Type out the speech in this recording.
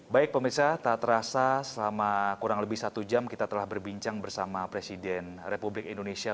baik pemirsa tak terasa selama kurang lebih satu jam kita telah berbincang bersama presiden republik indonesia